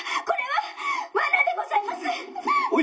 これはわなでございます」。